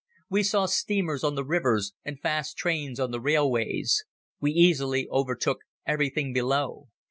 We saw steamers on the rivers and fast trains on the railways. We easily overtook everything below.